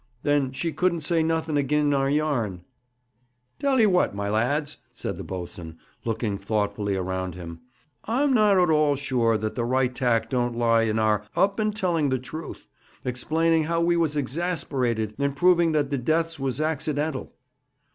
Then she couldn't say nothing agin our yarn.' 'Tell'e what, my lads,' said the boatswain, looking thoughtfully around him, 'I'm not at all sure that the right tack don't lie in our up and telling the truth, explaining how we was exasperated, and proving that the deaths was accidental.'